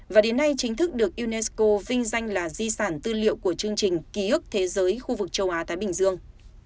và đến nay chính thức được unesco vinh danh là di sản tư liệu của chương trình ký ức thế giới khu vực châu á thái bình dương